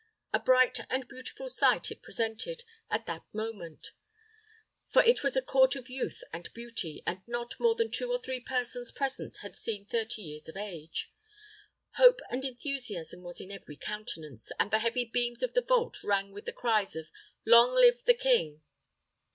A bright and beautiful sight it presented at that moment; for it was a court of youth and beauty, and not more than two or three persons present had seen thirty years of age. Hope and enthusiasm was in every countenance, and the heavy beams of the vault rang with the cries of "Long live the king."